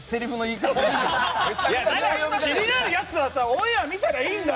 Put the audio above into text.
気になるやつはオンエア見たらいいんだよ！